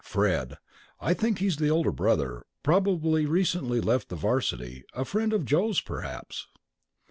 Fred. I think he's the older brother; probably recently left the 'varsity; a friend of Joe's, perhaps.